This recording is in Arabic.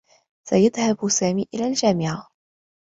سيذهب سامي إلى الجامعة.